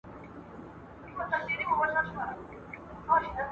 په لاس لیکل د ساینس پوهانو او پوهانو لومړنۍ وسیله وه.